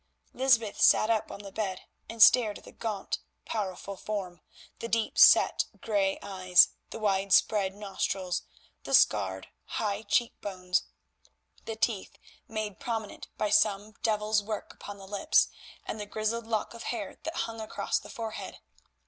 Lysbeth sat up on the bed and stared at the gaunt, powerful form, the deep set grey eyes, the wide spread nostrils, the scarred, high cheek bones, the teeth made prominent by some devil's work upon the lips, and the grizzled lock of hair that hung across the forehead.